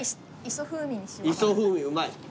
磯風味うまい。